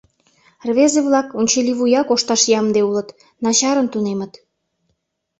Рвезе-влак «унчыли вуя» кошташ ямде улыт, начарын тунемыт.